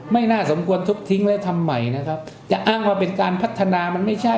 ไม่น่าสมควรทุบทิ้งและทำใหม่นะครับจะอ้างว่าเป็นการพัฒนามันไม่ใช่